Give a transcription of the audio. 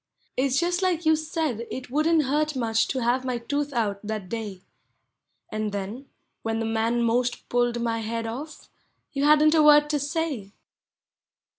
It 's just like you said it wouldn't hurt much to have my tooth out, thai day; And then, when the man 'most pulled my head off, you hadn't a word to say.